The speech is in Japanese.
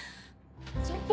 ちょっと。